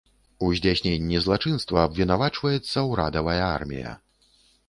У здзяйсненні злачынства абвінавачваецца урадавая армія.